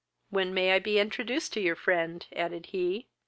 When may I be introduced to your friend? (added he.)